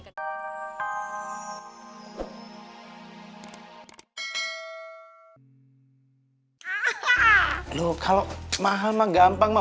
aduh kalau mahal mah gampang mau